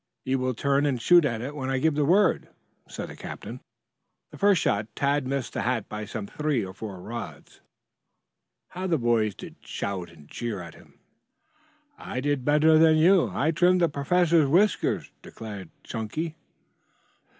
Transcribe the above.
You will turn and shoot at it when I give the word," said the captain. The first shot Tad missed the hat by some three or four rods. How the boys did shout and jeer at him! "I did better than you. I trimmed the professor's whiskers," declared Chunky.